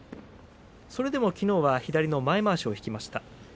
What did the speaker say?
それでも、きのうは左の前まわしを引きました。